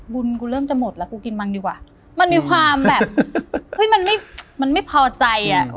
บุญกูเริ่มจะหมดแล้วกูกินมังดีกว่ามันมีความแบบเฮ้ยมันไม่มันไม่พอใจอ่ะ